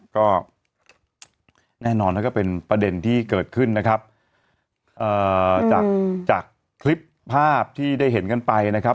ก็แน่นอนแล้วก็เป็นประเด็นที่เกิดขึ้นนะครับเอ่อจากจากคลิปภาพที่ได้เห็นกันไปนะครับ